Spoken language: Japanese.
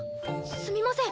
すみません。